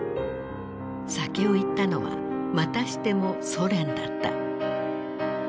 先を行ったのはまたしてもソ連だった。